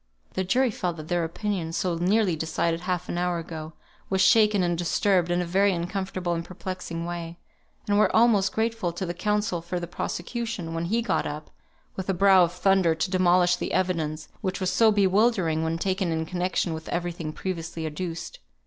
The jury felt that their opinion (so nearly decided half an hour ago) was shaken and disturbed in a very uncomfortable and perplexing way, and were almost grateful to the counsel for the prosecution, when he got up, with a brow of thunder, to demolish the evidence, which was so bewildering when taken in connexion with every thing previously adduced.